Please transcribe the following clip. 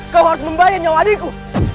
kau harus membayar nyawa adikku